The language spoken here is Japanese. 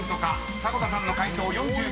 ［迫田さんの解答４３％］